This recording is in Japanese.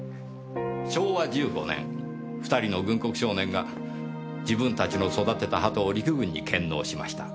昭和１５年２人の軍国少年が自分たちの育てた鳩を陸軍に献納しました。